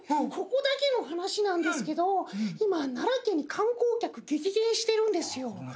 ここだけの話なんですけど今奈良県に観光客激減してるんですよ。